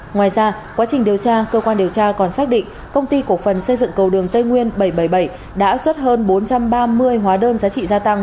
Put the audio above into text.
ngoài ra quá trình điều tra cơ quan điều tra còn xác định công ty cổ phần xây dựng cầu đường tây nguyên bảy trăm bảy mươi bảy đã xuất hơn bốn trăm ba mươi hóa đơn giá trị gia tăng